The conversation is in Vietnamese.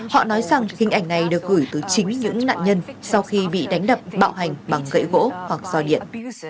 họ nói rằng hình ảnh này được gửi từ chính những nạn nhân sau khi bị đánh đập bạo hành bằng gậy gỗ hoặc do điện